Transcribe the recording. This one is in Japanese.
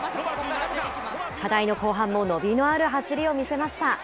課題の後半も伸びのある走りを見せました。